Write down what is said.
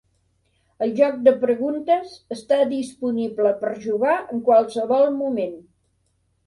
El joc de preguntes està disponible per jugar en qualsevol moment.